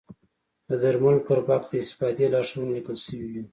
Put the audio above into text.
د درملو پر بکس د استفادې لارښوونې لیکل شوې وي.